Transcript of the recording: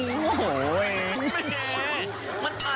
โอ้โฮเว้ยไม่แน่